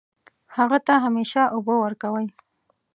هغه ته همیشه اوبه ورکوئ